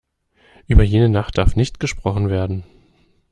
Über jene Nacht darf nicht gesprochen werden.